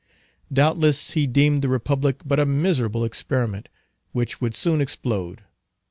Doubtless he deemed the Republic but a miserable experiment which would soon explode.